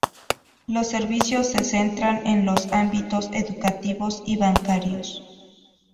Los servicios se centran en los ámbitos educativos y bancarios.